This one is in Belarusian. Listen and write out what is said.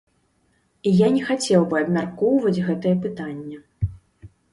Я не хацеў бы абмяркоўваць гэтае пытанне.